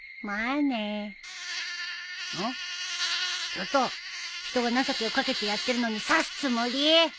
ちょっと人が情けをかけてやってんのに刺すつもり？